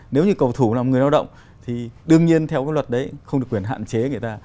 nếu như cầu thủ làm người lao động thì đương nhiên theo cái luật đấy không được quyền hạn chế người ta